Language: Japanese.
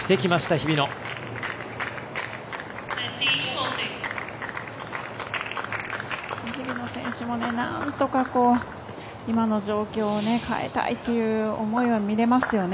日比野選手もなんとか今の状況を変えたいという思いは見れますよね。